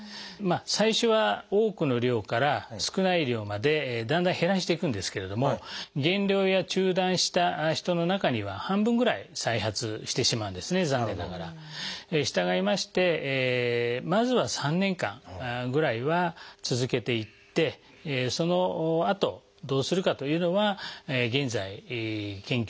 最初は多くの量から少ない量までだんだん減らしていくんですけれども減量や中断した人の中には半分ぐらい再発してしまうんですね残念ながら。したがいましてまずは３年間ぐらいは続けていってそのあとどうするかというのは現在研究中ですね。